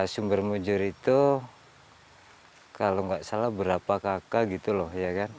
sumber mujur itu kalau tidak salah berapa kakak gitu loh